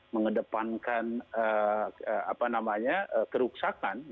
mengedepankan apa namanya keruksakan